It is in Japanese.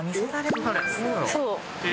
そう。